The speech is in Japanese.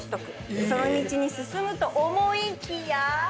その道に進むと思いきや。